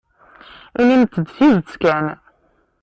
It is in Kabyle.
Inimt-d tidet kan.